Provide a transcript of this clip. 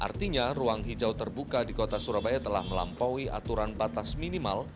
artinya ruang hijau terbuka di kota surabaya telah melampaui aturan batas minimal